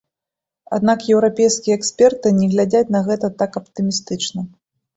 Аднак еўрапейскія эксперты не глядзяць на гэта так аптымістычна.